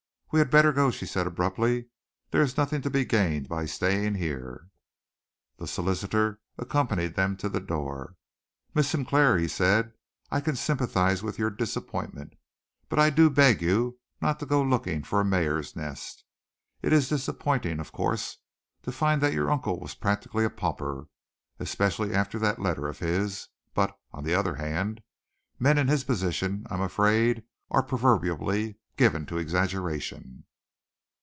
"We had better go," she said abruptly. "There is nothing to be gained by staying here." The solicitor accompanied them to the door. "Miss Sinclair," he said, "I can sympathize with your disappointment, but I do beg of you not to go looking for a mare's nest. It is disappointing, of course, to find that your uncle was practically a pauper, especially after that letter of his, but, on the other hand, men in his position, I am afraid, are proverbially given to exaggeration."